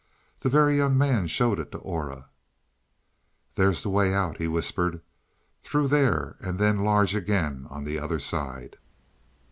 The Very Young Man showed it to Aura. "There's the way out," he whispered. "Through there and then large again on the other side."